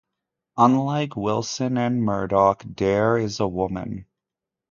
Unlike Wilson and Murdock, Dare is a woman.